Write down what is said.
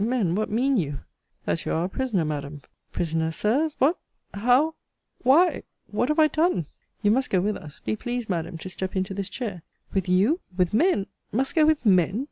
men, what mean you? That you are our prisoner, Madam. Prisoner, Sirs! What How Why What have I done? You must go with us. Be pleased, Madam, to step into this chair. With you! With men! Must go with men!